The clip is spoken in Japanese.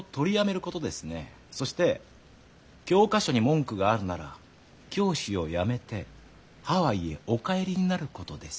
そして教科書に文句があるなら教師を辞めてハワイへお帰りになることです。